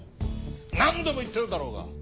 何度も言ってるだろうが！